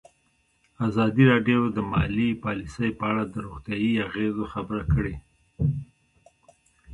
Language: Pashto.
ازادي راډیو د مالي پالیسي په اړه د روغتیایي اغېزو خبره کړې.